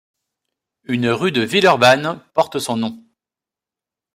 Une rue de Villeurbanne porte son nom.